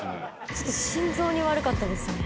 ちょっと心臓に悪かったですね。